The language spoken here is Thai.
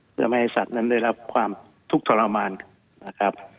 เพื่อไม่ให้สัตว์นั้นได้รับความทุกข์ทรมานนะครับ